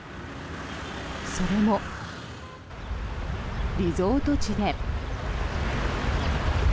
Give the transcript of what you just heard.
それもリゾート地で。